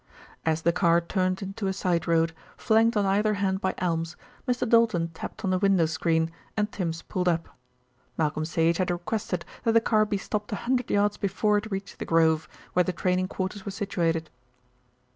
As the car turned into a side road, flanked on either hand by elms, Mr. Doulton tapped on the wind screen, and Tims pulled up. Malcolm Sage had requested that the car be stopped a hundred yards before it reached "The Grove," where the training quarters were situated.